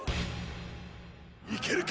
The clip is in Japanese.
いけるか？